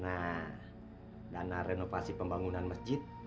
nah dana renovasi pembangunan masjid